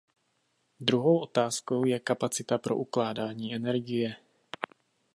Druhou otázkou je kapacita pro ukládání energie.